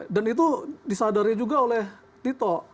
dan itu disadari juga oleh tito